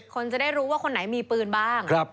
คนจะได้รู้ว่าคนไหนมีปืนบ้าง